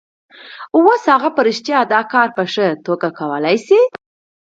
اوس هغه په رښتیا دا کار په ښه توګه کولای شي